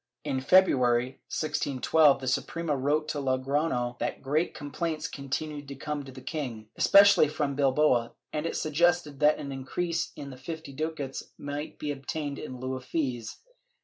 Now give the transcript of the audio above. In February, 1612, the Suprema wrote to Logrofio that great complaints continued to come to the king, especially from Bilbao, and it suggested that an increase in the fifty ducats might be obtained in heu of fees.